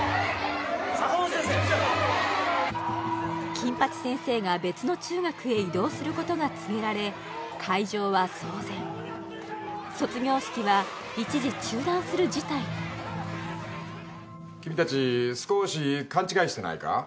金八先生が別の中学へ異動することが告げられ会場は騒然卒業式は一時中断する事態に君達少し勘違いしてないか？